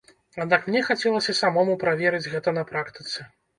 Аднак мне хацелася самому праверыць гэта на практыцы.